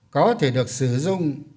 có thể được sử dụng